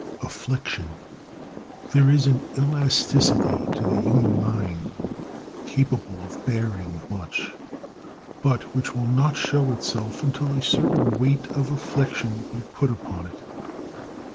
] There is an elasticity to the human mind capable of bearing much, but which will not show itself until a certain weight of affliction be put upon it.